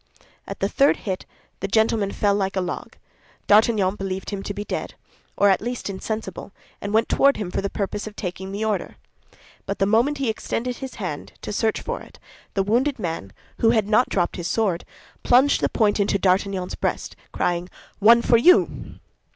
At the third hit the gentleman fell like a log. D'Artagnan believed him to be dead, or at least insensible, and went toward him for the purpose of taking the order; but the moment he extended his hand to search for it, the wounded man, who had not dropped his sword, plunged the point into D'Artagnan's breast, crying, "One for you!"